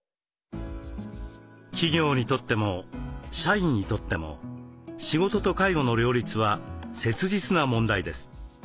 企業にとっても社員にとっても仕事と介護の両立は切実な問題です。